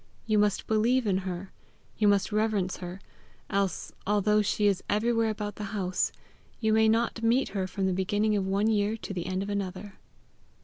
You must believe in her; you must reverence her; else, although she is everywhere about the house, you may not meet her from the beginning of one year to the end of another.